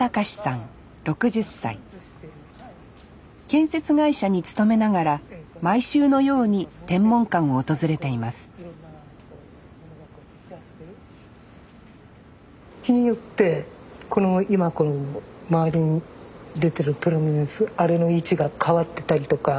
建設会社に勤めながら毎週のように天文館を訪れています日によって今周りに出てるプロミネンスあれの位置が変わってたりとか。